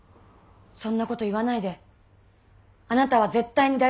そんなこと言わないであなたは絶対に大丈夫。